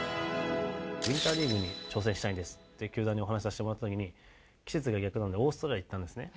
「ウィンターリーグに挑戦したいんです」って球団にお話しさせてもらった時に季節が逆なのでオーストラリア行ったんですね。